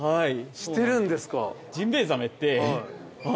してるんですか。